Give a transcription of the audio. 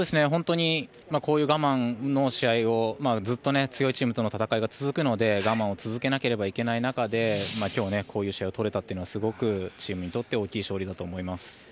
本当にこういう我慢の試合をずっと強いチームとの戦いが続くので我慢を続けないといけない中で今日、こういう試合を取れたというのはすごくチームにとって大きい勝利だと思います。